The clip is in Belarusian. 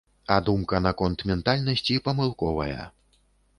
А думка наконт ментальнасці памылковая!